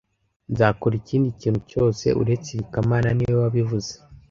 Nzakora ikindi kintu cyose uretse ibi kamana niwe wabivuze